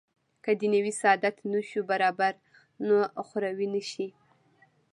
که دنیوي سعادت نه شو برابر نو اخروي نه شي.